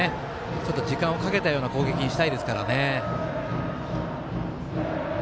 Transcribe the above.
ちょっと時間をかけたような攻撃にしたいですからね。